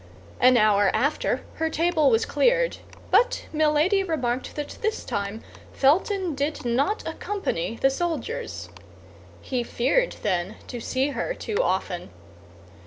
An hour after, her table was cleared; but Milady remarked that this time Felton did not accompany the soldiers. He feared, then, to see her too often.